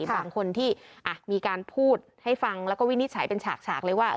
บางคนที่มีการพูดให้ฟังแล้วก็วินิจฉัยเป็นฉากเลยว่า